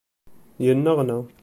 Yenneɣna.